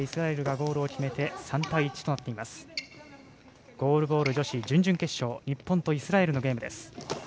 ゴールボール女子、準々決勝日本対イスラエルのゲームです。